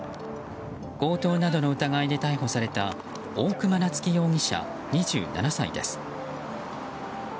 強盗などの疑いで逮捕された大熊菜月容疑者、２７歳です。